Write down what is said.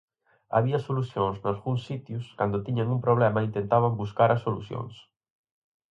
Había solucións nalgúns sitios, cando tiñan un problema intentaban buscar as solucións.